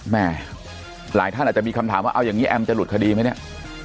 หลายท่านอาจจะมีคำถามว่าเอาอย่างนี้แอมจะหลุดคดีไหมเนี่ย